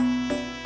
ada apa be